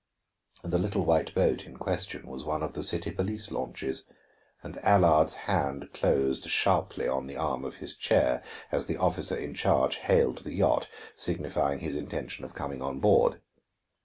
The little white boat in question was one of the city police launches, and Allard's hand closed sharply on the arm of his chair as the officer in charge hailed the yacht, signifying his intention of coming on board.